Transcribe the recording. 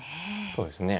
そうですね。